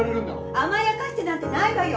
甘やかしてなんてないわよ